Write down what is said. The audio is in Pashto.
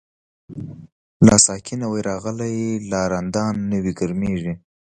لا ساقی نوی راغلی، لا رندان نوی گرمیږی